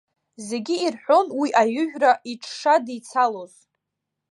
Зегьы ирҳәон уи аҩыжәра иҽшадицалоз.